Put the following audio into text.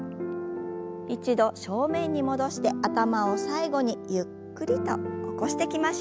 一度正面に戻して頭を最後にゆっくりと起こしてきましょう。